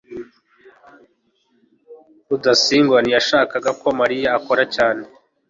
rudasingwa ntiyashakaga ko mariya akora cyane